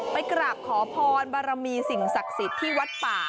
ไปกราบขอพรบารมีสิ่งศักดิ์สิทธิ์ที่วัดป่า